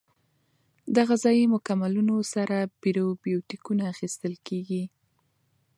د غذایي مکملونو سره پروبیوتیکونه اخیستل کیږي.